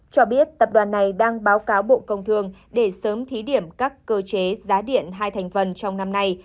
cho biết tập đoàn này đang báo cáo bộ công thương để sớm thí điểm các cơ chế giá điện hai thành phần trong năm nay